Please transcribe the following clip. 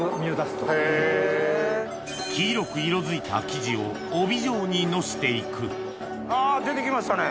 黄色く色づいた生地を帯状にのして行くあ出て来ましたね。